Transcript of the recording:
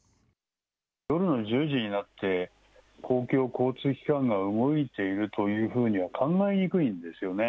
夜の１０時になって、公共交通機関が動いているというふうには考えにくいんですよね。